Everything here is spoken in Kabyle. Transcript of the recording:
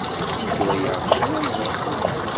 Yegra-yaɣ-d kan ad nruḥ.